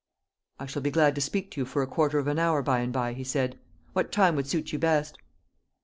"I shall be glad to speak to you for a quarter of an hour, by and by," he said. "What time would suit you best?"